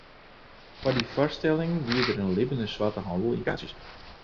Foar dy foarstellingen wie der in libbene swarte handel yn kaartsjes.